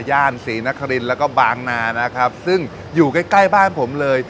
ย่านศรีนครินแล้วก็บางนานะครับซึ่งอยู่ใกล้ใกล้บ้านผมเลย